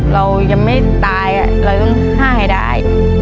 เรายังไม่ตายเราต้องฆ่าให้ได้